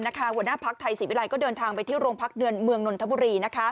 หัวหน้าภักดิ์ไทยศรีวิรัยก็เดินทางไปที่โรงพักเมืองนนทบุรี